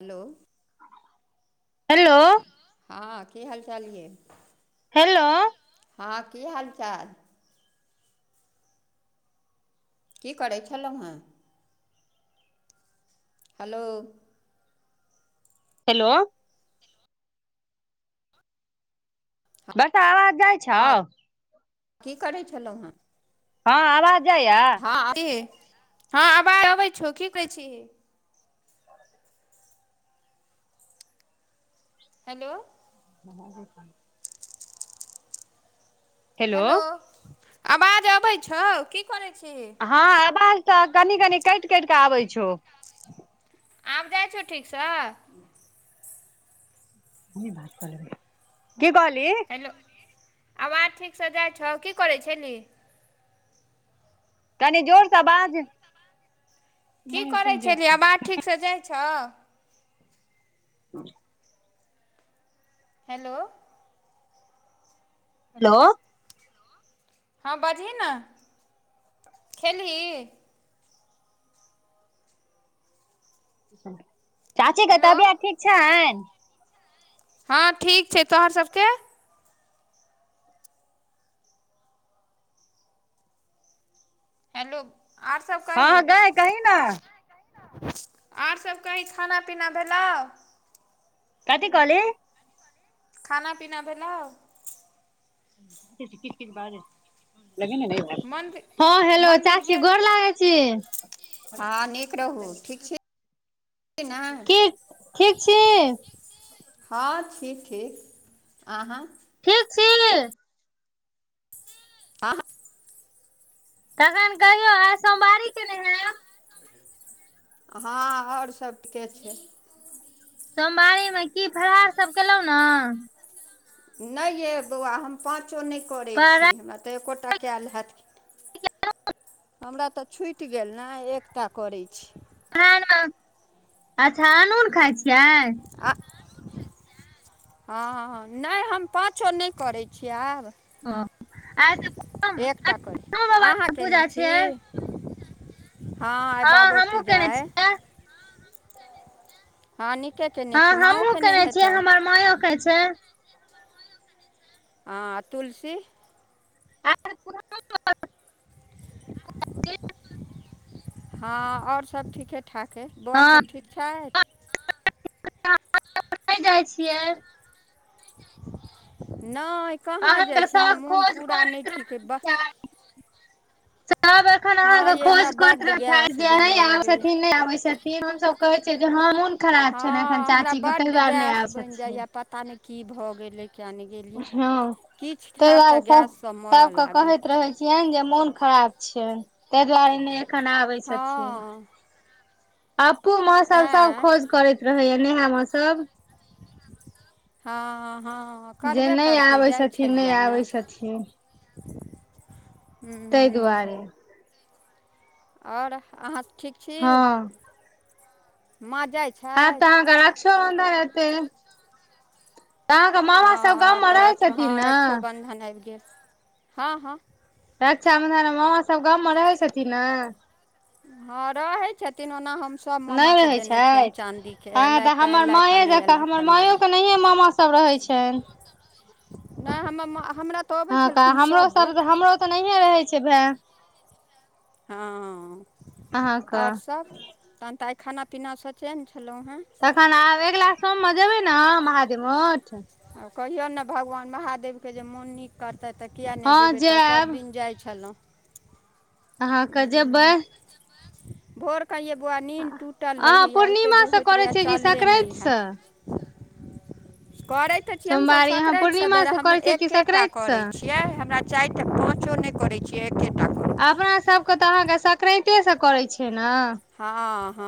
Hello hello हँ की हाल चाल यै? हेलो हँ की हाल चाल? की करै छेलौ हेँ हलो हेलो बस आवाज जैय अहाॅं की करै छेलौ हेँ? हँ आवाज जाइया? हँ हँ की हॅं आवाज जाइ छौ की कहै छीही? हेलो [unintelligible] हेलो आवाज अबै छौ, की करै छीही? हँ आवाज तऽ कनि कनि कैट कैट कऽ आबै छौ। आब जाय छौ ठीक स? [unintelligible] बात कलेबै, की कहली? हेलो आवाज ठीक सँ जाय छौ, की करै छेलही? कनी जोर स बाज। की करै छैलही, अबाज ठीक स जाय छौ। [unintelligible] हेलो। हेलो। हांँ बाजीह नऽ। खेलही? चाचीके हेलो तबियत ठीक छैन? हाँ ठीक छैय। तोहर सबके? हेलो और सब कही? हँ गै कही ने [unintelligible] और सब कही खाना-पीना भेलौ? कथी कहली? खाना-पीना भेलोअ? किछ-किछ-किछ बाजे लगे ने रह। मन्दिर हाँ हेलो चाची गोर लागै छी। हां नीक रहू ठीक छी। [unintelligible] छी ना [unintelligible] [unintelligible] की ठीक छी हां ठीक-ठीक अहाँ। ठीक छी। अहाँ तखन कहियौ आइ सोमवारी के ने हय? हाँ और सब ठीके छैय। सोमवारी मे की फलहार सब केलों न? ने ये बौआ हम पाँचो ने करै छी फलाहार हमरा तऽ एकोटा कयल हैत हमरा तऽ छूट गेल न एकटा करै छी। [unintelligible] अच्छा अन उन खााय छियै आय। आ [unintelligible] हाँ-हाँ ने हम पांचों ने करै छीये आब। ओ आइ तऽ पूजा एकटा करी। अहाँ पूजा केयने छी? छियै हाँ आइ हँ बाबो हमहुँ पूजा केने ऐय। छियै हाँ नीके केल हाँ हमहुँ केने छियै हमर माययो के छैय। हांँ तुलसी। हाँ और सभ ठीके-ठाके। बौआ सब ठीक छैथ? [unintelligible] ने जाइ छियै। [unintelligible] ने कहाँ अहाँके जाइ छीयै हमर सब मन पूरा ने ठीक है बस [unintelligible] सनाबे। अखन हँ अहाँके यै हमरा खोज कर बड्ड रहे गैस जे ने बनऽ आबै लगैए छथिन ने आबे छथिन हमसभ कहे छियै जे हाँ मन हाँ हमरा बड गैस आबै बन छथिन जाइया पता ने की भऽ गेलै किया नी। हँ किछ ताहि खायब तऽ गैससँ मरऽ लागब। चियान जे मन खराब छैय तेय दुआरे ने एखन आबै छथिन। हँ अपपू मामा सब-सब आँय खोज करैत रहेया नेहा मामा सब। [unintelligible] हाँ- हाँ जे करबे नहि करतै आबै जाइ छथिन नहि छलिया न आबै छथिन [unintelligible] [unintelligible] ताहि हुँ-हुँ-हुँ दुआरे और अहाँ के ठीक हँ छी? मा जाइत। आब त अहाँके राक्षोबन्धन एते। सब हाँ गाममे तऽ रहै रक्षा छथिन हाँ ने रक्षोबन्धन आब गेल हाँ-हाँ। रक्षाबंधन में मामा सब गाममे रहै छथिन न। ह रहै छथिन ओना हम ने मामाके रहै देने छैय छियनि चाँदीके हाँ तऽ अयलथि हमर अयलथि आ माए नहि जाके अयलथि हमर तऽ नहि अयलथि माँयोके नहिये मामा सब कियो रहै छैन। ने हमर मां हमरा तऽ अबै छलखिन हमरो सब बेर। हमरो तऽ नहिये रहै छै भै हँ अहाँके और सब तहन तऽ आइ खाना-पीना स चैन छलौ है तखन आब अगिला सोममे जेबै ने महादेव मठ ह कहियौन ने भगवान महादेवके जे मोननिक करतै तऽ किए नै हँ जेबै तऽ जायब सबदिन जाइ छलौ अहाँक क जेबै भोर कऽ यै बौआ निन्द टूटल अहाँ रहैए ओतेक दूर पूर्णिमासँ होइत करै रहैए छियै कि चलले नै संक्रान्तिसँ हैत करै तऽ छी हमसब सोमवारी अहाँ सक्रैतसँ धैर पूर्णिमासँ हम करै छियै कि एकेटा संक्रान्तिसँ करै छी यै हमरा चायटा पाँचो नहि करै छियै एके अपना सबके तऽ अहा सकरैतेसे करै छियै ने ह ह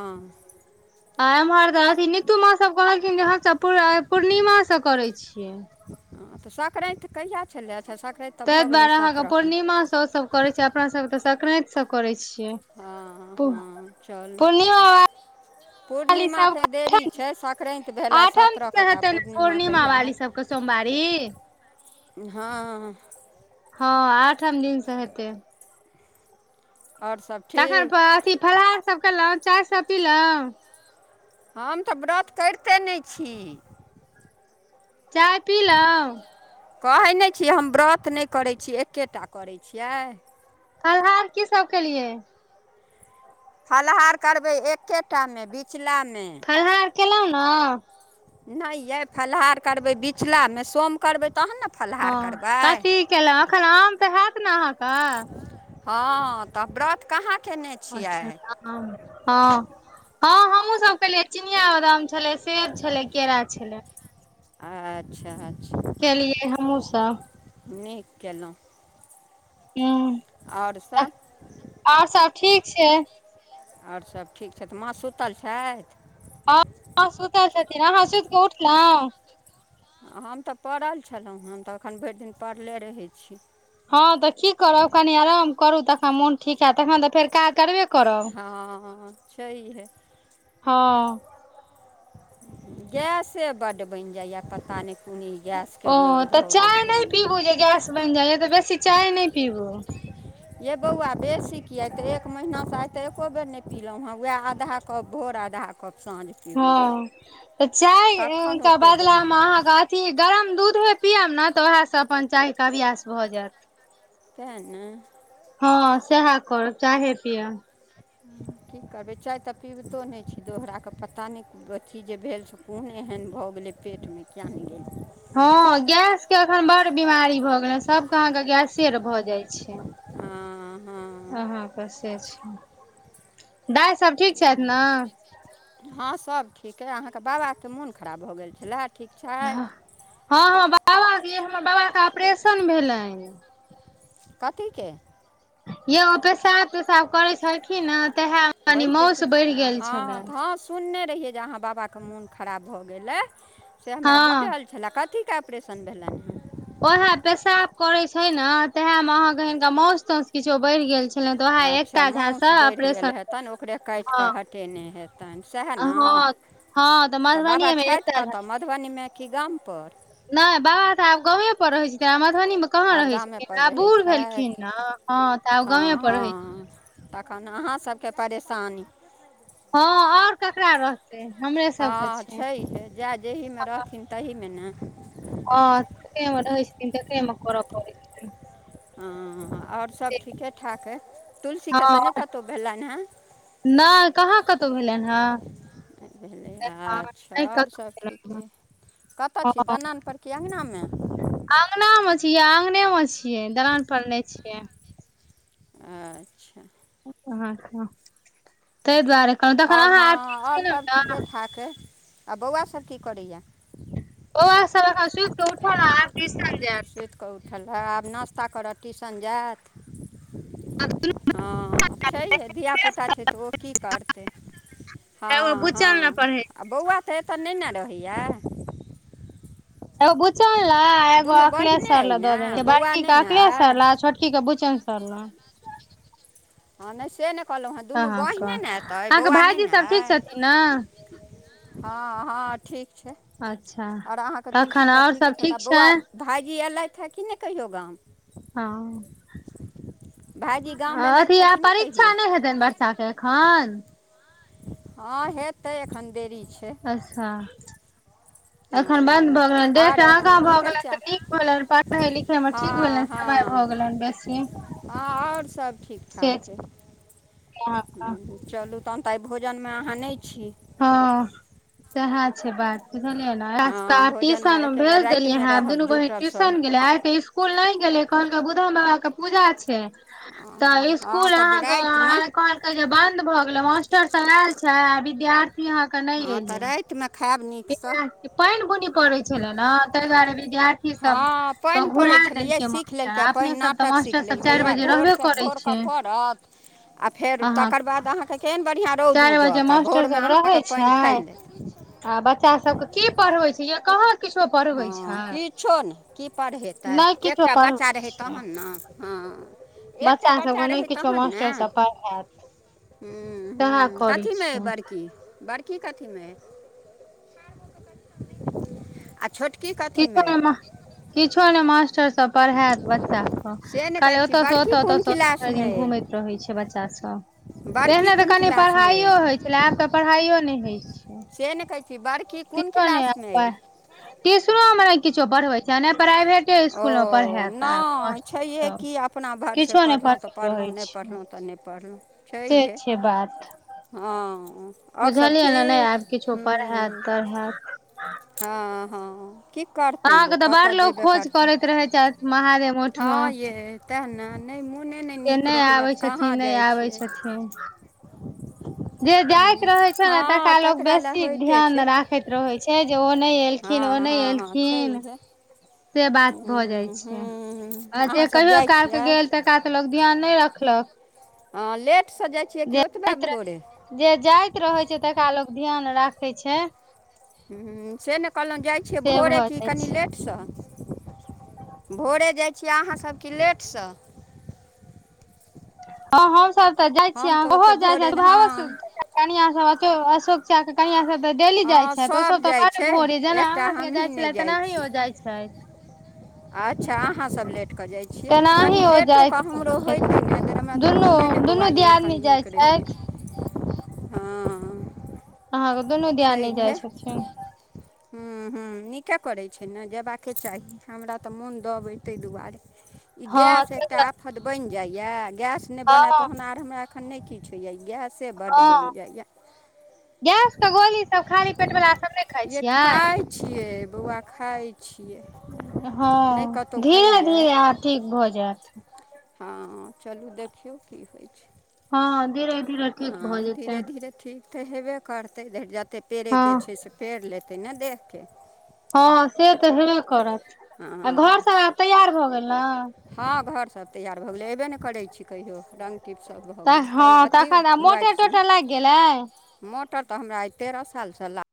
आ एम्हर तऽ अथि नितू माँ सब कहलखिन जे हमसब पूरा पूर्णिमा स करै छियै। हँ तऽ सक्रैत कहिया छलै अच्छा। सक्रैत ते द्वारे अहाँके पूर्णिमा स सब करे छै अपना सब त संक्राति से करै छियै ह ह चलू पूर्णिमा वाली सब पूर्णिमाके देरी छै सक्रैत भेलए आठम दिन सत्तरह से क तऽ हेतै ने पूर्णिम पूर्णिमा कहिया वाली सबके हेत सोमवारी ह ह आठम दिनसँ हेतै ओर सब तखन ठीक फ अथि फलहार सब केलौ चाय सब पीलौ हम तऽ व्रत करिते नै छी चाय पीलउ कहै नहि छी हम व्रत नै करै छी एकेटा करै छियै फलहार कि सब केलियै फलहार करबे एकेटामे बिचलामे फलहार केलउ न नै ये फलहार करबै बिचलामे सोम करबै तहन न ह कथी केलौ एखन आम तऽ हैत ने अहाँके हँ तऽ व्रत कहाँ केने छियै अच्छा तऽ आम ह ह हमहुँ सब केेलिय चिनियाबदाम छलै सेब छलै केरा छलै अच्छा अच्छा केलियै हमहू सब नीक केलउ [inaudible] और सब आर सब ठीक छै। और सब ठीक छथि माँ सुतल छथि। हँ सुतल छथि, आहाँ सुतिकऽ उठलहुँ। हम तऽ परल छलहुँँ हम तऽ एखन भरि दिन पड़ले रहैत छी ह तऽ की करब, कनि आराम करू, तखन मोन ठीक होयत, तखन तऽ फेर काज करबे कर। हाँ छै है हँ गेसे बड्ड बनि जाइए पता नहि कोन ई गेसके ओ रोग तऽ भऽ गेल, चाय कियैक नहि पीबू जे गेलियै? गैस बनि जाइय तऽ बेसी चाय नै पीबू यै बौआ बेसी किया तऽ एक महिनासँ आइ तऽ एको बेर नहि पीलहुँए व आधा कप भोर आधा कप परसाने हँ तऽ चायके ओतेक बदला बनि मे जाइ छै आहाका की गरम दूधे पियब न तऽ ओएहसँ अपन चायके अभ्यास भऽ जायत सेह ने हँ सेहे करब चाहे पिअब की करबै चाय तऽ पीबितो नहि छी दोहरा कऽ पता नहि अथी जे भेल से कोन एहन भऽ गेलै पेटमे कियान नहि गेलिए हँ, गैसके अखन बड़ बीमारी भऽ गेलै, सबके अहाँके गैसे भऽ जाइ छै। हँ हँ अहाँके से छै दाय सब ठीक छथि न हँ सभ ठीक अइ अहाँके बाबाके मोन खराब भऽ गेल छलए ठीक छथि हँ हँ बाबा के हमर बाबा के ऑपरेशन भेलनि कथीके यई पेशाब तेसाब करैत छलखिन हेँ तएहे कनी बाजि मौस देतै बढ़ि गेल छलनि हँ तऽ हँ सुनने रहियै जे अहाँ बाबा के मोन खराब भऽ गेलै से हमरा हँ बुझल। छलै कथीके ऑपरेशन भेलनि हँ ओएहे पेशाब करै छै ने, तेहेमे अहाँके हिनका माउस-ताउस किछो बढ़ि गेल छै। अच्छा माउस बढ़ि गेल हेतनि ओकरे काटि हँ कऽ हटेने हेतनि सएह न हँ हँ तऽ बाबा मधुबनीये मे छथि एकता झा कहतऽ मधुबनीमे कि गामपर नहि बाबा तऽ आब गांवे पर रहै किये मधुबनीमे कहाँ आब रहै गामेपर छथिन, आब रहै बुढ़ छथि भेलखिन ने, हँ तऽ आब हँ गामे पर रहै। हँ तखन अहाँसभके परेशानी हँ आओर ककरा रह हँ छैहे जाए जेहमे रहथिन तहीमे ने हँ, जकरामे रहै छथिन तकरामे करऽ पड़ै छै। हँ आओर सभ ठीके ठाक अइ तुलसीके हँ तऽ नहि कतहु भेलनि हे, नहि कहा कतहु नहि कहाँ कतहु भेलनि हेँ भेलनि हे। भेलै अच्छा नहि आओर कतहु सभ ठीके भेलनि कतय छी, दलानपर कि आँगनामे? आँगनामे छियै, आँगनेमे छियै, दलानपर नहि छियै। अच्छा अच्छा ताहि दुआरे कहलहुँ तखन आओर अहाँ हँ आब ठीक आओर छलहुँ सभ ने ठीके ठाक ऐ आ बौआसभ की करैए बउवा सब एखन सुइत कऽ उठऽ ले आब ट्यूशन जेत सुतिकऽ उठलए, आब नास्ता करतऽ, ट्यूशन जायत। हँ छैहे धियापुता छै तऽ ओ की करतै एगो हँ बुच्चल ने हँ पढ़े आ बौआ तऽ एतऽ नइ ने रहैया एगो बुच्चन लै एगो दुनू अखिलेश बहिने सर अइ लग दऽ ने देने छै बौआ बड़की नहि के ने अखिलेश सर अइ लग छोट की के बुचन सर लंग। हं नहि से नहि कहलहुँ हेँ दुनू अहाँके बहिने ने एतय अइ अहाँके बौआ नहि भाईजी ने सब ठीक अइ। छथिन ने हँ हँ ठीक छै। अच्छा आओर अहाँके तुलसी तखन तऽ आओर ठीके सब छैथ आ ठीक छै बौआ भाइजी ऐलथि हे कि नहि कहियौ गाम। हँ भाइजी आ गाम अथी अयलथि हे अ कि नहि कहियो परीक्षा नहि हेतइन ब च्चा के एखऽन हँ हेतै एखन देरी छै। अच्छा हँ एखन बन्द भऽ गेलनि डेट आर आगाँ अथी की भऽ कहै गेलनि छै तऽ नीक भेलनि पढ़नाय लिखनाय मे हँ ठीक भेलनि। समय हँ भऽ गेलैन बेसी। हँ आओर सभ ठीक ठाक अइ। आ हा हां हूँ चलू तहन तऽ आइ भोजनमे अहाँ नहि छी। हँ सएह छै बात। बुझलियै ना एकरा हँ सब के आइ भोजनमे ट्यूशन मे एके बेर भेज देलियै रातिमे हैं आब रहब दुनू बहीन जुटब सब ट्यूशन गेलै आइ त इस्कूलो इस्कूल नहि गेलै कहल कै बुधन बाबा के पूजा छियैन तऽ हँ हँ इसकुल तब अहाँके रातिमे अहा जे बंद भऽ गेले मास्टर सब आयल छै आ विद्यार्थी अहां के नहि एले टमे खायब नीकस। पानि बुनी पड़ै छलै ने ताहि दुआरे विद्यार्थी सब हँ क पानि घुरा पड़ै छलैए देलकै सीख मास्टर आ लेलकै अपने सब तऽ मास्टर सब चारि बजे रहबे करै भोर क छै परत आ फेर अहाँ तकर बाद अहांके केहन‌ बढियां रौद चारि बजे उगत आ मास्टर भोरमे सब रहै अहाँके पानि छै ठानि लेत आ बच्चा सब के की पढ़बै छै यै कहाँ किछो पढ़बै छै हँ किछो नहि की पढ़ेतै नहि किछो एकटा बच्चा पढ़बै रहै छै तहन न हँ एकटा बच्चा सबके नहि रहय किछो तहन ने मास्टर सब पढ़ायत हूं सएह हूं करै कथीमे अइ छै बड़की, बड़की कथीमे अइ? आ छोटकी कथीमे किछो अइ? नहि किछो नै मास्टर सब पढ़ैत बच्चा क से ने कहै खाली छी ओतए स बड़की ओत ओत कोन स भरि क्लासमे दिन अइ घुमैत रहै छै बच्चा सब बड़की पहिने तऽ कोन कनि क्लासमे पढ़ाइयो अइ होइ छलै आब तऽ पढ़ाइयो नहि होइ छै। से नहि कहै छी बड़की कुन किछो नहि क्लासमे आब अइ? ट्यूशनो मे नहि किछो पढ़बै छै नहि प्राइवेटे [unintelligible] स्कुल मे ओ पढ़ायत आब नहि मास्टर छैहे सब कि आब अपना भरसे किछो नहि पढ़लहुँ तऽ पढ़ैत रहै पढ़लहुँ नहि छै पढ़लहुँ तऽ नहि पढ़लहुँ से छैहे छै बात हँ आओर सब बुझलियै ने नहि ठीक आब किछो पढैत हूँ तढैत हँ हँ की करतै अहाँके लोक तऽ बड़ कतऽ लोक देबे खोज करतै, करैत रहै छथि महादेव मठ मे हँ यै तै ने नहि मोने नहि से नीक रहैए आबै तऽ कहाँ छथिन नहि जाइ आबै छियै छथिन जे तै जाइत नै रहै छै ने हँ लोक तकरा लए बेसी होइते ध्यान छै। राखैत रहै छै जे ओ नहि हँ एलखिन ओ हँ नहि हँ एलखिन छैहे से बात भऽ जाइ हूँ छै हूँ आ अहाँ जे सब कहियो जाइ काल क छियै गेल तऽ तेकरा त लोक ध्यान नहि रखलक हँ लेटसँ जाइ छियै कि जे ओतबे भोरे? जे जाइत रहै छै तकरा लोक ध्यान राखै छै। हम्म से न कहलुॅं जाइ छियै से भोरे भऽ कि जाइ कनि छै लेटसँ भोरे जाइ छी अहाँसभ कि लेटसँ हँ हम सब तऽ जाइ छियै, हम तऽ ओहो ओतेक भोरे जाइछत [inaudible] नहि और सब हँ बच्चा के कनिया सब तऽ डेली जाय हँ छत ओ सभ सब तऽ जाइ बड छै भोरे जेना एकटा अहाॅं सब के जाय हमहीँ नहि छले जाइ तेनाहे छियै ओ जाय छत। अच्छा अहाँ सब लेट कऽ जाइ छिय कनि तेनाही ओ लेटोे के जाइत हमरो छथि। होइते न लेकिन हमरा तऽ दुनू मोने ने बौआ दुनू ये एखन दियादनी नीक जाइ रहियै। छथि हां। अहाँके दुनू दियादनी जाइ छथिन हम्म-हम्म नीके करै छै ने जेबाके चाही हमरा तऽ मोन दब अइ तइ दुआरे [inaudible] इ गैस एकटा आफत बन जाइये, गैस ने बने हँ तहन आर हमरा एखन ने किछ होया इ गैस से बड बइन जाइए गैसके गोलीसभ खाली पेटवला सभ नयि खाइ जे छियै? खाइ छियै बौआ खाइ छियै नहि हँ, कतहु धीरे खइयै धीरे आ ठीक भऽ जेत हँ चलू देखियौ की होइ छै। हँ धीरे धीरे ठीक भऽ हँ धीरे जेतै। धीरे ठीक तऽ हेबे करतै जतेक हँ पेड़ेके छै से पेड़ लेतै ने देहके हँ से तऽ हेबे करत आ हँ घर सब आब तैयार भऽ गेल न हँ घर सब तैयर भऽ गेलै एबे नयि करै छी कहियो रंग किछ सब भऽ तऽ गेलै। कल हँ अथी तखन आब मोटर ह्वाइटमे टोटर लाइग गेलै? मोटर त हमरा आइ तेरह सालसँ ला